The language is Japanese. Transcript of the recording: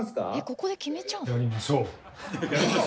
ここで決めちゃうの？